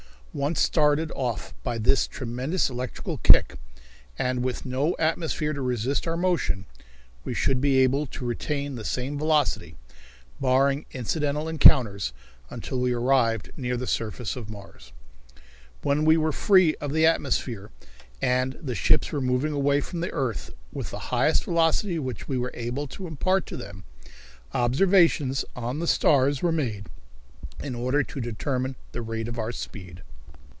Once started off by this tremendous electrical kick, and with no atmosphere to resist our motion, we should be able to retain the same velocity, barring incidental encounters, until we arrived near the surface of Mars. When we were free of the atmosphere, and the ships were moving away from the earth, with the highest velocity which we were able to impart to them, observations on the stars were made in order to determine the rate of our speed.